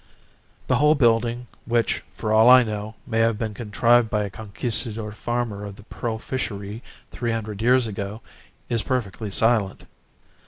The whole building, which, for all I know, may have been contrived by a Conquistador farmer of the pearl fishery three hundred years ago, is perfectly silent.